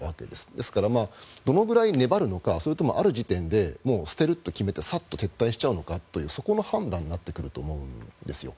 ですから、どのくらい粘るのかそれともある時点で捨てると決めてサッと撤退しちゃうのかそこの判断になってくると思います。